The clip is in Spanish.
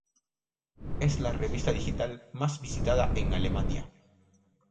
Es la revista digital más visitada en Alemania.